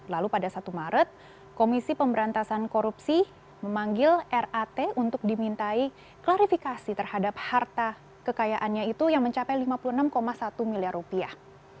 lalu pada satu maret komisi pemberantasan korupsi memanggil rat untuk dimintai klarifikasi terhadap harta kekayaannya itu yang mencapai lima puluh enam satu miliar rupiah